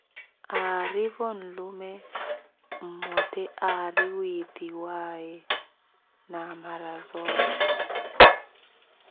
Aarivo nlume mmote aari witthiwaye Namarazootha.